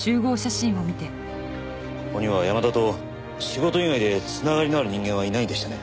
ここには山田と仕事以外で繋がりのある人間はいないんでしたね？